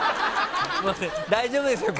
大丈夫ですよ。